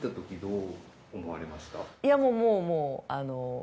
いやもうもうあの。